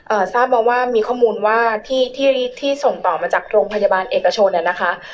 ทราบมาว่ามีข้อมูลว่าที่ที่ส่งต่อมาจากโรงพยาบาลเอกชนอ่ะนะคะ